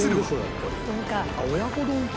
親子丼か。